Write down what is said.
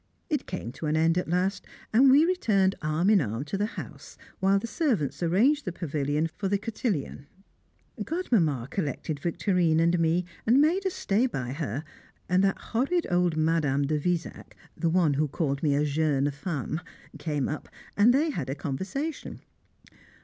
It came to an end at last, and we returned arm in arm to the house, while the servants arranged the pavilion for the cotillon. Godmamma collected Victorine and me, and made us stay by her; and that horrid old Mme. de Visac the one who called me a "jeune femme" came up, and they had a conversation.